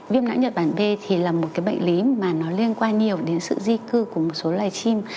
viêm não nhật bản b thì là một bệnh lý liên quan nhiều đến sự di cư của một số loài chim